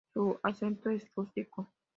Su acento es rústico.